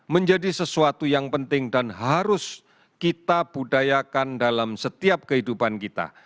menjadi sesuatu yang penting dan harus kita budayakan dalam setiap kehidupan kita